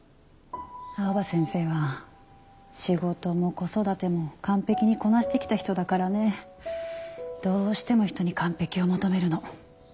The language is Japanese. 青葉先生は仕事も子育ても完璧にこなしてきた人だからねどうしても人に完璧を求めるの。